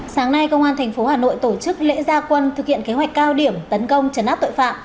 sáng nay công an tp hà nội tổ chức lễ gia quân thực hiện kế hoạch cao điểm tấn công trấn áp tội phạm